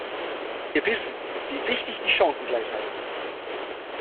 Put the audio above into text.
Wir wissen, wie wichtig die Chancengleichheit ist.